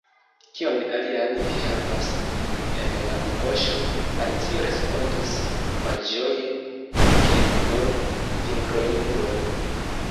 “Kion alian vi havas en la poŝo?” Alicio respondis malĝoje ke “nur fingroingon.”